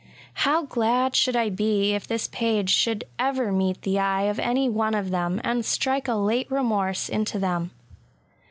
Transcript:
How glad should I be if this page should ever meet the eye of any one of them, and strike a late remorse into them!